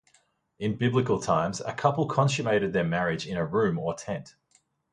In Biblical times, a couple consummated their marriage in a room or tent.